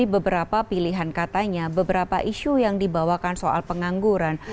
beberapa pilihan katanya beberapa isu yang dibawakan soal pengangguran